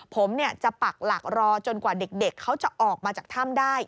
ผมจะปักหลักรอจนกว่าเด็กเขาจะออกมาจากถ้ำได้